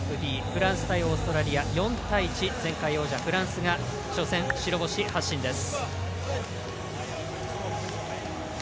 フランス対オーストラリア４対１、前回王者フランスが初戦、白星発進です。